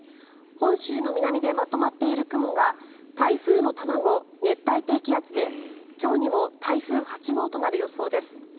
本州の南でまとまっている雲が台風の卵、熱帯低気圧で今日にも台風８号となる予想です。